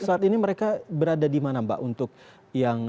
saat ini mereka berada di mana mbak untuk yang